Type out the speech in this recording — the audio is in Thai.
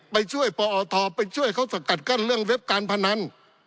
ไปช่วยปอทไปช่วยเขาสกัดกั้นเรื่องเว็บการพนัน